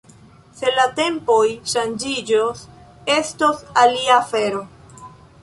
Se la tempoj ŝanĝiĝos, estos alia afero.